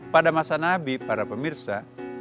pada masa nabi para pemirsa